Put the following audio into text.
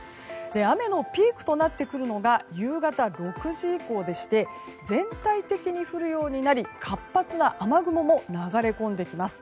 雨のピークとなってくるのが夕方６時以降でして全体的に降るようになり活発な雨雲も流れ込んできます。